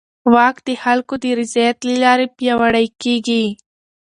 واک د خلکو د رضایت له لارې پیاوړی کېږي.